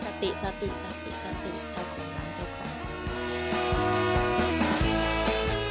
สติสติสติสติ